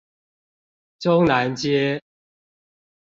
中南街